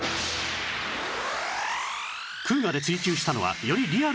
『クウガ』で追求したのはよりリアルな表現